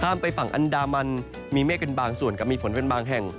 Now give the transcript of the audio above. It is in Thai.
ไปฝั่งอันดามันมีเมฆเป็นบางส่วนกับมีฝนเป็นบางแห่ง